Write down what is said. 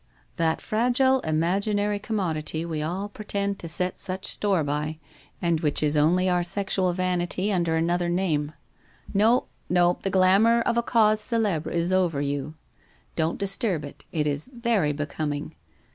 ' That fragile imaginary commodity we all pretend to set such store by, and which is only our sexual vanity (i 82 WHITE ROSE OF WEARY LEAF under another name. No, no, the glamour of a cause celebre is over you — don't disturb it, it is very becoming.